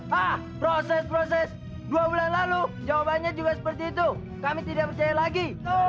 hah proses proses dua bulan lalu jawabannya juga seperti itu kami tidak percaya lagi